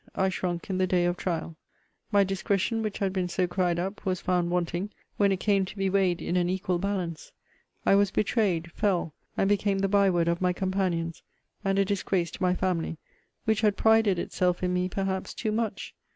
I shrunk in the day of trial. My discretion, which had been so cried up, was found wanting when it came to be weighed in an equal balance. I was betrayed, fell, and became the by word of my companions, and a disgrace to my family, which had prided itself in me perhaps too much.